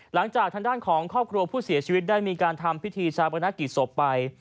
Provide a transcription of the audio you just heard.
หลังจากทางด้านของครอบครัวผู้เสียชีวิตได้มีการทำพิธีชาปนกิจศพไป